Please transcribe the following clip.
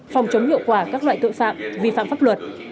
phòng chống hiệu quả các loại tội phạm vi phạm pháp luật